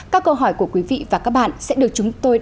các câu hỏi của quý vị và các bạn sẽ được chúng tôi